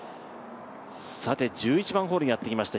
さて１１番ホールにやってきました